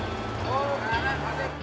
oh keadaan pak